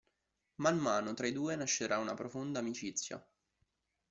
Man mano tra i due nascerà una profonda amicizia.